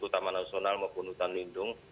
baik itu taman nasional maupun hutan lindung